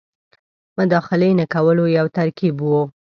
مداخلې نه کولو یو ترکیب وو.